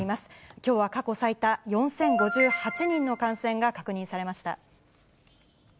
きょうは過去最多４０５８人の感染が確認されました。